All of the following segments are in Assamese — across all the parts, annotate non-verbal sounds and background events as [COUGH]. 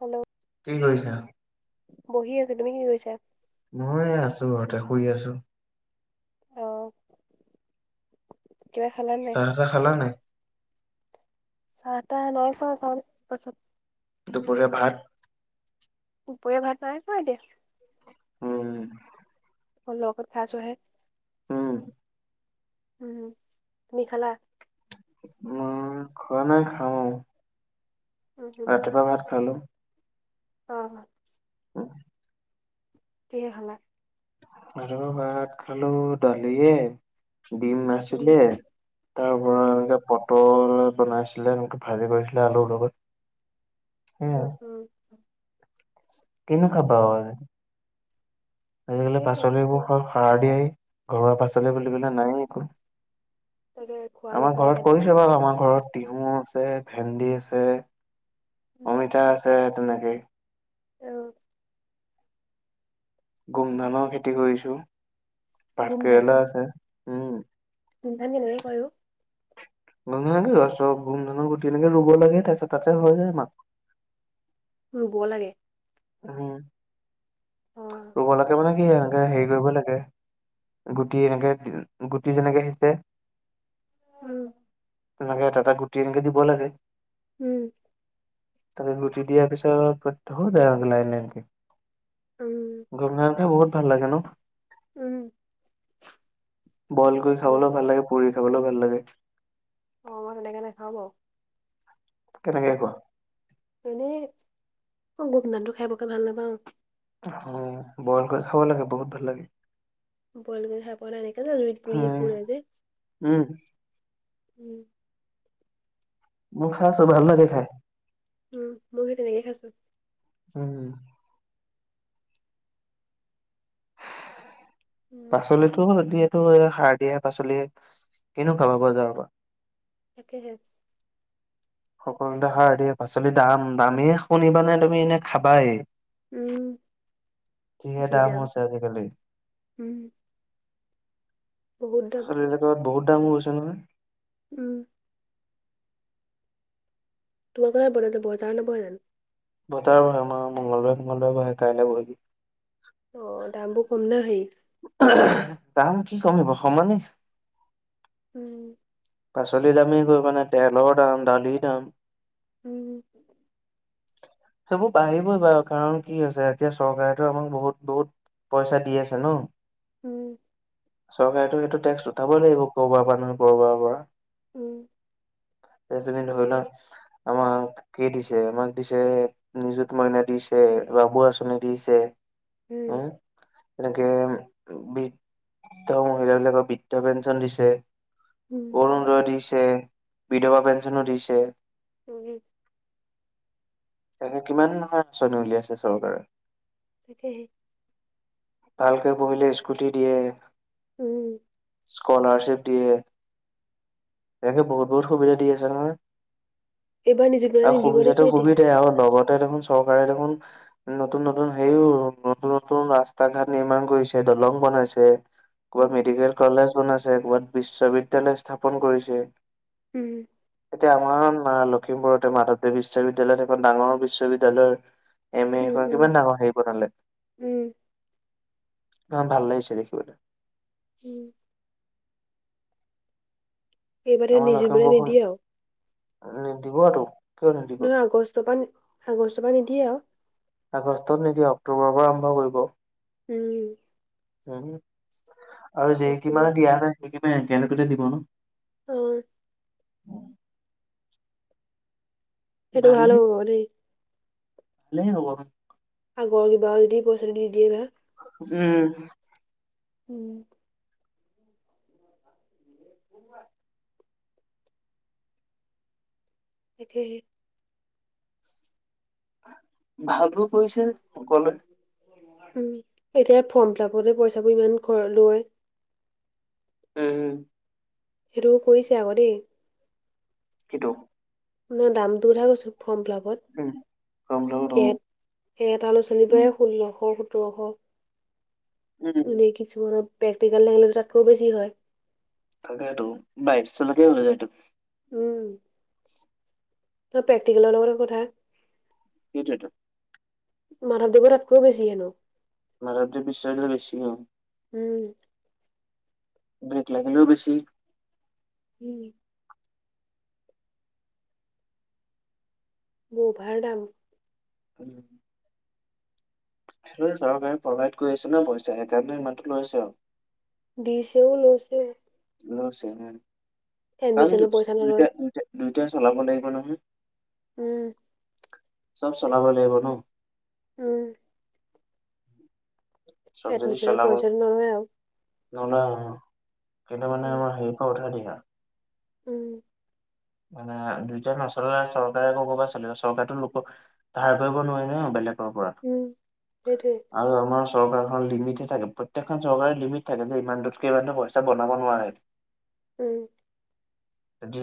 হেল্ল' কি কৰিছা বহি আছ তুমি কি কৰিছা মইয় আছো ঘহতে শুই আছো অ কিবা খালা নাই কিবা খালা নাই চাহ টা নাই খোৱা খাম পাছত দুপৰীয়া ভাত দুপৰীয়া ভাত নাই খোৱা এতিয়া উম লগত খাইছহে উম, উম-হুম, তুমি খালা? উম, খোৱা নাই, খাওঁ আৰু। উম উম ৰাতিপুৱা ভাত খালোঁ। অ'। উম। কিহে খালা? আৰু ভাত খালোঁ দালিয়ে। ডিম উম নাছিলে তাৰ পৰা উম এনে বটল বনাইছিলে এনেকে ভাজি কৰিছিলে আলুৰ লগত। সেয়াই উম, আৰু উম। কিনো খাবা উম আও আজিকালি তাকেহে পাচলিবিবোৰ হয় সাৰ দিয়াই, ঘৰুৱা পাচলি উম বুলিবলৈ নাইয়েই একো। তাকে খোৱা আমাৰ নোখোৱা ঘৰত একেটাই কৰিছে বাৰু আমাৰ ঘৰত। টিহু আছে, ভেন্দি আছে, উম অমিতা আছে তেনেকেই। অ'। গোমধানৰ খেতি কৰিছোঁ, ভাতকৰেলা আছে উম। গোমধান কেনেকৈ কৰে অ? [UNINTELLIGIBLE] গুম ধানৰ গুটি এনেকে ৰুব লাগে, তাৰ পিছত তাতে হৈ যায় আ ৰুব লাগে। উম, অ ৰুব লাগে মানে কি এনেকে হেৰি কৰিবই লাগে। গুটি এনেকে গুটি যেনেকে শিছে। উম তেনেকে এটা, এটা গুটি এনেকে দিব লাগে। উম। তাতে গুটি দিয়াৰ পিছত হৈ যায় আৰু লাইন, লাইনকৈ। উম। গুমধান খাই বহুত ভাল লাগে ন? উম বইল কৰি খাবলৈওঁ ভাল লাগে, পুৰি খাবলৈওঁ ভাল লাগে। অ', মই তেনেকে নাখাওঁ বাৰু। কেনেকে খোৱা? এনে মই গোমধান টো খাই বকে ভাল নাপাওঁ। অ', বইল কৰি খাব লাগে বহুত ভাল লাগে। বইল কৰি খাই পোৱা নাই, এনেকে যে জুইত উম পুৰে যে। উম। উম। মই খাইছোঁ ভাল লাগে খায়। উম, মই সেই তেনেকে খাইছোঁ। উম। উম পাচলিটো হতি এইটো সাৰ দিয়াই পাচলি কিনো খাব বজাৰৰ পৰা। তাকেহে। সকলোতে সাৰ দিয়ে, পাচলি দাম দামেই শুনিবানে তুমি নে খাবাই। উম যিহে দাম হৈছে আজিকালি। উম বহুত দাম পাচলি বিলাকৰ বহুত দাম হৈছে নহয়। উম। [UNINTELLIGIBLE] বজাৰ নবহে জানো। বজাৰো হয় আমাৰ মংগলবাৰে, মংগলবাৰে বহে কাইলৈ বহিব। অ', দামবোৰ কম নে হেৰি? দাম কি কমিব সমানে। উম। পাচলি দামেই কৰিবানে তেলৰ দাম দালিৰ দাম। উম। সেইবোৰ বাঢ়িবই বাৰু কাৰণ কি হৈছে এতিয়া চৰকাৰেতো আমাক বহুত, বহুত পইচা দি আছে ন। উম। চৰকাৰেতো সেইটো টেক্স উঠাবই লাগিব কৰবাৰ পৰা নহয় কৰবাৰ পৰা। উম। এইপিনে ধৰি লোৱা আমাৰ কি দিছে? আমাক দিছে নিজুত মইনা দিছে, বাবু আঁচনি দিছে। উম, এনেকে বৃদ্ধ মহিলাবিলাকক বৃদ্ধ পেঞ্চন দিছে। উম। অৰুণোদয় দিছে, বিধৱা পেঞ্চনো দিছে। [UNINTELLIGIBLE] তেন্তে কিমানৰ [UNINTELLIGIBLE] আঁচনি উলিয়াইছে চৰকাৰে‌? তাকেহে। ভালকে পঢ়িলে স্কুটি দিয়ে। উম। স্কলাৰশ্বিপ দিয়ে। এনেকে বহুত, বহুত সুবিধা দি আছে নহয় এইবাৰ নিযুত মইনা আৰু নিদিব নে সুবিধাতো কি এতিয়া সুবিধাই আৰু লগত এতিয়া দেখোন চৰকাৰে দেখোন নতুন, নতুন হেৰিও নতুন, নতুন ৰাস্তা ঘাট নিৰ্মাণ কৰিছে। দলং বনাইছে ক'বাত উম মেডিকেল। কলেজ বনাইছে ক'ৰবাত বিশ্ববিদ্যালয় স্থাপন কৰিছে। উম। এতিয়া আমাৰ লখিমপুৰতে মাধৱদেৱ বিশ্ববিদ্যালয়ত এখন ডাঙৰ বিশ্ববিদ্যালয়ৰ এ মই উম বা এখন উম কিমান ডাঙৰ হেৰি বনালে। উম। অ', ভাল লাগিছে দেখিবলৈ। ওম। [UNINTELLIGIBLE] উ দিব টো নহয় আগষ্টৰ পৰা আগষ্টৰ পৰা নিদিয়ে আৰু আগষ্টত নিদিয়া অক্টোবৰৰ পৰা আৰম্ভ কৰিব। উম। আৰু যি অক্টোবৰ কেমাহ দিয়া নাই সেইবিলাক একে লগেতে দিব ন। অ'। সেইটো ভাল হ'ব ব দেই। দিলে হ'ব। [UNINTELLIGIBLE] দি দিয়ে বা উম। উম। উ [INAUDIBLE] উ [INAUDIBLE] এতি [UNINTELLIGIBLE] ভাল বোৰ কৰিছে অকলে উম এতিয়া ফৰ্ম ফিলাপতে পইচাবোৰ ইমান ঘৰ লয় [UNINTELLIGIBLE] উম। সেইটো কৰিছে আকৌ দেই। কিইটো। মই দাম টো উঠাই কৈছো ফৰ্ম উম। গৰম লগত ফিলাপত অ', এক সেই এটা উম, আলোচনীটোৰে ষোল্লশ সোতৰশ উম, এনেই কিছুমানৰ প্ৰেক্টিকেল [UNINTELLIGIBLE] তাতকৈও বেছি হয়। তাকেটো বাইিৰ চলতিয় ওলাই যায়টো। উম। তই প্ৰেক্টিকেলৰ লগৰ কথা। সেইটোৱেতো। মাধৱদেৱত তাতকৈও বেছি হেনো। মাধৱদেৱ বিশ্ববিদ্যালয়ৰ বেছি হয়। উম। ব্ৰেক লাগিলও বেছি। উম। বভাৰ দাম। হয়। চৰকাৰে প্ৰভাইড কৰি আছে ন' পইচা সেইকাৰণে ইমানটো লৈ আছে আৰু। দিছেও লৈছেও। লৈছে হে। এডমিশনো পইচা নলয়। দুইটাই চলাব লাগিব নহয়। উম। চব চলাব লাগিব ন'। উম। এডমিশনৰ পইচাটো নলয় আৰু। নলয় অ' কিন্তু মানে উম আমাৰ হেৰিৰপৰা উঠাই দিয়ে। উম। মানে দুইটাৰ নচল, চৰকাৰে ক'ৰ পৰা চলিব, চৰকাৰতো লোক ধাৰ কৰিব নোৱাৰি ন' বেলেগৰপৰা। উম, সেইটোৱেই। আৰু আমাৰ চৰকাৰখন লিমিটে থাকে, প্ৰত্যেকখন চৰকাৰে লিমিট থাকে যে ইমানটোতকে ইমানে পইচা বনাব নোৱাৰে। [INAUDIBLE] উম। যদি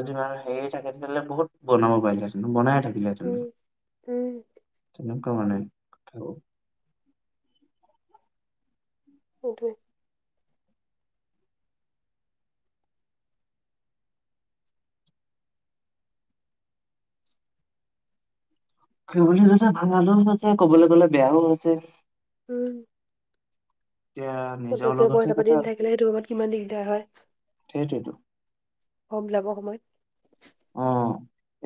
যদি মানে হেৰি থাকে বহুত বনাব পাৰিলে বনায়ে থাকিলেহেঁতেন, উম, উম, তেনেকুৱা মানে কথা। সেইটোৱে। ধৰিবলে গ'লে ভাল নালাগা হৈছে, ক'বলৈ গ'লে বেয়াও হৈছে। উম। এতিয়া সেইটো নিজৰ টাইপৰ লগতহে পইচা কথা দি থাকিলে সেইটোত কিমান দিগদাৰ হয়। সেইটোৱেইতো। হ'ম যাবৰ সময়ত। অ'।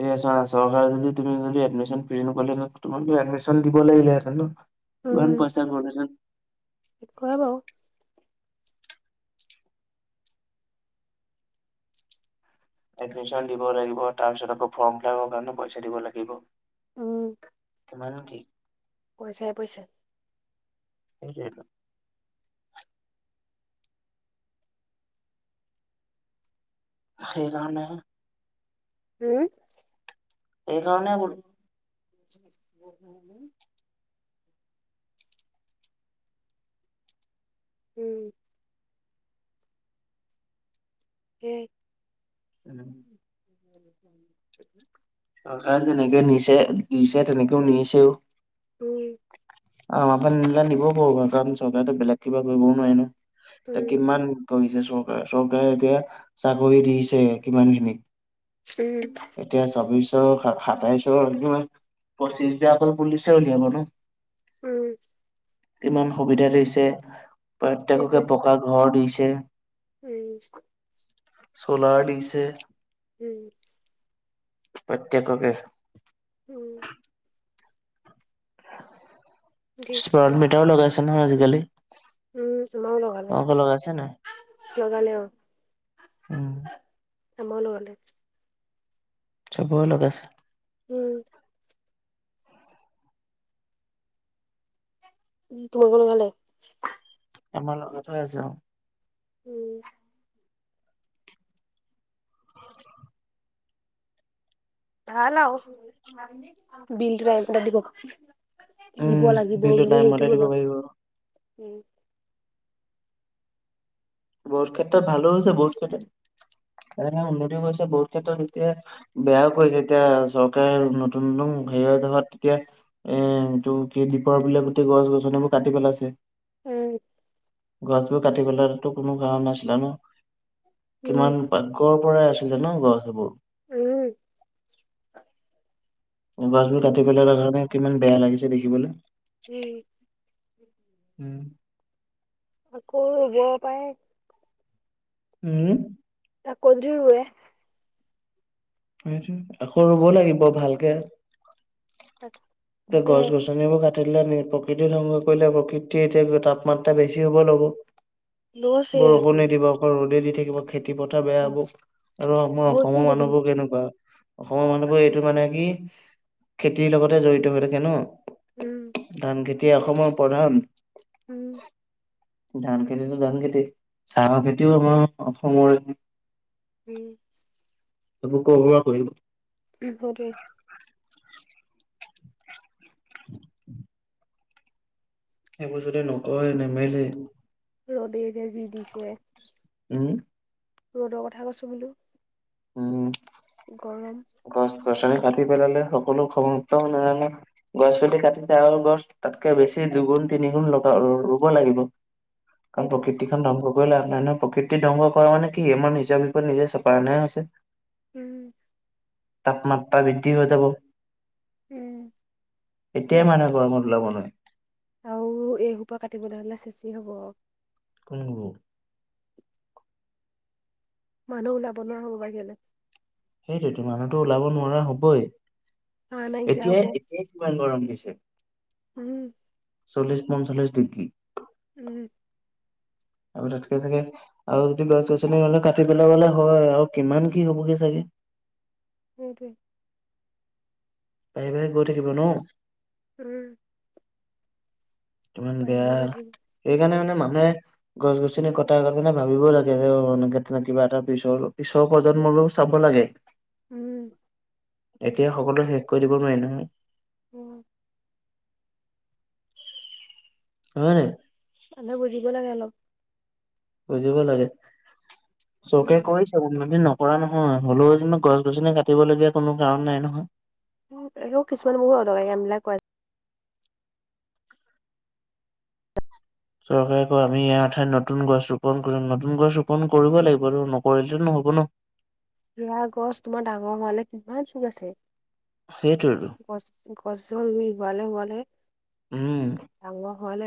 এয়া চোৱা চৰকাৰে যদি তুমি যদি এডমিচন ফ্ৰী নাপালে নহয় তোমাক এডমিচন দিব লাগিলেহেঁতেন ন'? কিমান পইচা ভৰিলেহেঁতেন। এককোৱে বাৰু। এডমিশন দিব লাগিব, তাৰপিছত আকৌ ফৰ্ম ফিলাপৰ কাৰণে পইচা দিব লাগিব। উম। উ, মান কি? পইচাই পইচা। পইচা প সেইকাৰণেহে। হু? এইকাৰণে বুলো। [UNINTELLIGIBLE] উম। কেই। উম। [UNINTELLIGIBLE] অ' যেনেকে নিছে, নিছে তেনেকেও মিলিছেও। উম। আ, আপুনি নিলে নিব পাৰিব কাৰণ চৰকাৰেতো বেলেগে কিবা কৰিবও নোৱাৰে ন'। তে উম, কিমান কৰিছে চৰকাৰে, চৰকাৰে এতিয়া চাকৰি দিছে কিমানখিনিক। উম। এতিয়া চৌবিশৰ, সাতাইশৰ পঁচিছ হাজাৰতো অকল পুলিচে উলিয়াব ন'। উম। কিমান সুবিধা দিছে, প্ৰত্যেককে পকা ঘৰ দিছে। উম। চ'লাৰ দিছে। উম। প্ৰত্যেককে। উম। দি, দি। স্মাৰ্ট মিটাৰো লগাইছে নহয় আজিকালি। উম, তোমাৰো লগালে, তোমালোকৰ লগাইছে নাই? লগালে অ'। উম, আমাৰো লগালে। চবৰে লগাইছে। উম। তোমালোকৰ লগালে? আমাৰ লগাই থোৱা আছে অ'। উম। [INAUDIBLE] ভাল আৰু। বিলটোত আহি পেলাই দিব। দিব উম, লাগিব বিলো বুলি টাইম মতে সেইটোহে দিব ল' পাৰিব। উম। বহুত ক্ষেত্ৰত ভালো হৈছে, বহুত ক্ষেত্ৰত কাৰ উন্নতি কৰিছে, বহুত ক্ষেত্ৰত এতিয়া বেয়াও কৰিছে, এতিয়া চৰকাৰে নতুন নতুন হেৰি হৈ থকাতকে তেতিয়া এ, এইটো কি দ্বীপৰ বিলৰ গোটেই গছ গছনিবোৰ কাটি পেলাইছে। উম। গছবোৰ কাটি পেলোৱাটোতো কোনো কাৰণ নাছিলে ন' উম কিমান পাকঘৰ পৰাই আছিলে ন' গছবোৰ? উম। গছবোৰ উম কাটি পেলোৱাৰ লগে লগে কিমান বেয়া লাগিছে দেখিবলৈ। উম। উম। আকৌ ৰুব পাই। হুম? আকৌ যদি ৰুৱে। সেইটোয়ে, আকৌ ৰুব লাগিব ভালকে। তাক তে গছ গছ গছনিবোৰ কাটি দিলে, প্ৰকৃতি ধংস কৰিলে, প্ৰকৃতিয়ে এতিয়া তাপাত্ৰা বেছি হ'ব ল'ব। লৈছে বৰষুনে দেখোন নিদিব, অকল ৰ'দে দি থাকিব। খেতি পথাৰ বেয়া হ'ব। আৰু আমাৰ লৈছে অসমৰ দেখোন মানুহবোৰ কেনেকুৱা অসমৰ মানুহবোৰ এইটো মানে কি, খেতিৰ লগতে জড়িত হৈ থাকে ন'। উম। ধান খেতিে অসমৰ প্ৰধান। উম। ধান খেতিতো ধান খেতি, চাহ খেতিও আমাৰ অসমৰ উম। এইবোৰ ক'ৰপৰা কৰিব? উ, সেইটোৱেই। [INAUDIBLE] এইবোৰ নকয় নেমেলেই। ৰ'দ যে যি দিছে। উম। ৰ'দৰ কথা কৈছু বিলো। উম। গৰম। গছ-গছনি কাটি পেলালে সকলো খ উ নাযায় নে। [UNINTELLIGIBLE] গছ পাতি কাটিছে, গছ তাতকে বেছি দুগুণ তিনিগুণ লগ ৰুব লাগিব। কাৰণ সেইটো প্ৰকৃতি খন প্ৰকৃতিৰ ধ্বংস কৰা মানে কি, আমাৰ নিজৰ বিপদ নিজে চপাই অনাহে হৈছে। উম। তাপমাত্ৰা বৃদ্ধি হৈ যাব। উম। এতিয়াই মানুহ গৰমত ওলাব নোৱাৰে। আৰু এসোপা কাটিবলৈ হ'লে শেষেই হ'ব। কোনো [UNINTELLIGIBLE] মানুহ ওলাব নোৱাৰা হ'ব বাহিৰলৈ। সেইটোৱেটো মানুহতো ওলাব নোৱাৰা হ'বই, হাঁহ নাইকিয়া হব এতিয়াই, এতিয়াই কিমান গৰম দিছে। উম। চল্লিছ পঞ্চল্লিছ ডিগ্ৰী। উম। আৰু তাতকে চাগে, আৰু যদি গছ গছনি হ'লে কাটি পেলাবলে হয় আৰু কিমান কি হ'বগে চাগে। ক [UNINTELLIGIBLE] প ভ গৈ [UNINTELLIGIBLE] থাকিব ন'। উম। ইমান বাহিৰ বেয়া, হৈ গৈ থাকিব সেইকাৰণে মানে মানুহে গছ-গছনি কটাই গাত মানে ভাবিবও লাগে, যে কিবা এটা পিছৰ, পিছৰ প্ৰজন্মলৈও চাব লাগে। [INAUDIBLE] উম। এতিয়া সকলোৱে শেষ কৰি দিব নোৱাৰি নহয়। উম। হয়নে? মানহে বুজিব লাগে অলপ। বুজিব লাগে, উম চৰকাৰে কৈ চাব মি ন [UNINTELLIGIBLE] কৰা নহয়, হ'লেও যেনো গছ গছনি কাটিবলগীয়া কোনো কাৰণ নাই নহয়। উম, আৰু কিছুমান মোৰ অ লগেমবিলাক [UNINTELLIGIBLE] কৰে। চৰকাৰে কয় আমি ইয়াৰ ঠাইত নতুন গছ ৰোপন কৰিম, নতুন গছ ৰোপন কৰিবয়েই লাগিব আৰু নকৰিলে নহ'ব ন'। গছ তোমাৰ ডাঙৰ ম [UNINTELLIGIBLE] লে কিমান চুুৰ আছে। সেইটোৱেতো গছ গছল [UNINTELLIGIBLE] ডাঙৰ হোৱলে, উম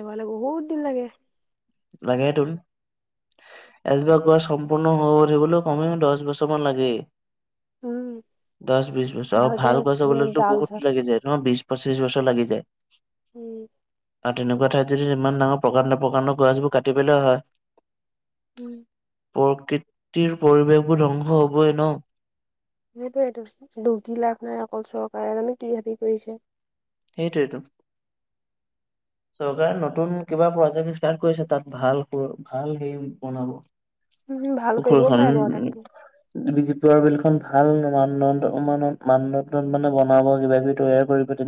হোৱালে বহুত দিন লাগে। লাগে টো। এজবা গছ সম্পূৰ্ণ হৈ উঠিবলে কমেও, দহ বছৰ মান লাগে। উম দহ, বিশ বছৰ, আৰু ভালকে ভাল গছ চাবলেতো ডাল বহুত চাল লাগি যায় ন' বিশ পঁচিশ বছৰ লাগি যায়। উম',। আৰু তেনেকুৱা ঠাইত যদি ইমান ডাঙৰ প্ৰকাণ্ড, প্ৰকাণ্ডৰ গছবোৰ কাটিবলে হয়। উম', প্ৰকৃতিৰ পৰিৱেশ বোৰ ধ্বংস হ'বই ন'। সেইটোৱেটো, দুখ দি লাভ নাই, অকল চৰকাৰে জানো কি হেৰি কৰিছে। সেইটোৱেইটো। চৰকাৰে নতুন কিবা প্ৰজেক্ট ষ্টাৰ্ট কৰিছে তাত ভাল, ভাল হে বনাব। উম ভাল কৰিবও কখখন পাৰে বাৰু তাতকে [UNINTELLIGIBLE] বিজেপিৰ বিল খন ভাল মানদণ্ড মানদণ্ড মানে বনাব কিবা কিবি তৈয়াৰ কৰিব